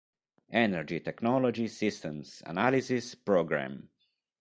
Energy Technology Systems Analysis Programme